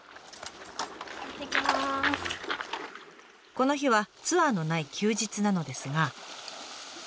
この日はツアーのない休日なのですが。